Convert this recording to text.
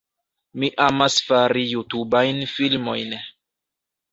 Mi amas fari Jutubajn filmojn